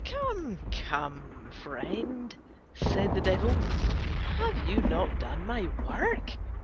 "Come, come, friend," said the Devil. "Have you not done my work?